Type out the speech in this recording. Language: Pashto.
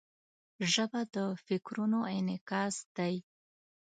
ژبه د فکرونو انعکاس دی